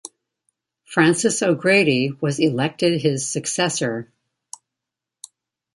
Frances O'Grady was elected his successor.